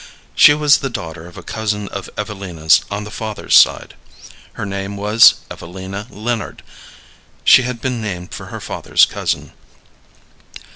She was the daughter of a cousin of Evelina's on the father's side. Her name was Evelina Leonard; she had been named for her father's cousin.